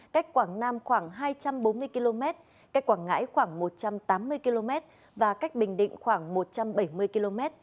cách quảng nam khoảng hai trăm bốn mươi km cách quảng ngãi khoảng một trăm tám mươi km và cách bình định khoảng một trăm bảy mươi km